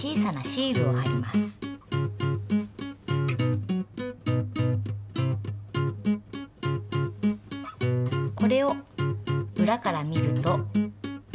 これをうらから見ると。